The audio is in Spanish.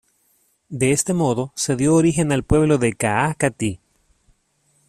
De este modo, se dio origen al pueblo de Caá Catí.